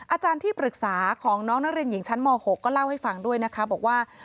อาจารย์ที่ปรึกษาของน้องนักเรียนหญิงชั้นม๖ก็เล่าให้ฟังด้วยนะคะบอกว่า